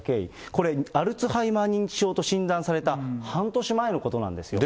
これ、アルツハイマー認知症と診断された半年前のことなんですよね。